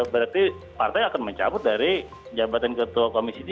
berarti partai akan mencabut dari jabatan ketua komisi tiga